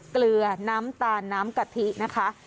เกลือน้ำตาลน้ำกะทินะคะ